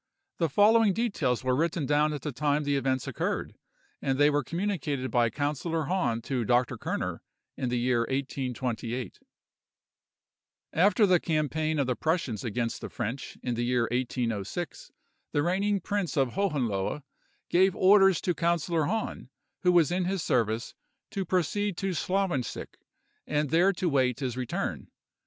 The following details were written down at the time the events occurred, and they were communicated by Councillor Hahn to Dr. Kerner in the year 1828:— "After the campaign of the Prussians against the French, in the year 1806, the reigning prince of Hohenlohe gave orders to Councillor Hahn, who was in his service, to proceed to Slawensick, and there to wait his return.